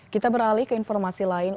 kita beralih ke informasi lain